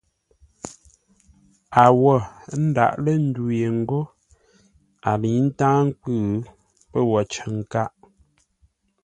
A wô ndáʼ lə́ ndu ye ńgó a lə̌i ntáa nkwʉ́, pə́ wo cər nkâʼ.